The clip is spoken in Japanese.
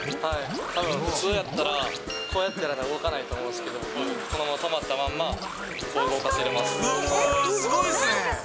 たぶん普通やったらこうやったら動かないと思うんですけど、このまま止まったまんま、こう動すごいですね。